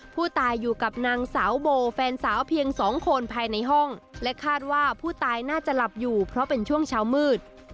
ผู้ตายอยู่กับนางสาวโบแฟนสาวเพียงสองคนภายในห้องและคาดว่าผู้ตายน่าจะหลับอยู่เพราะเป็นช่วงเช้ามืด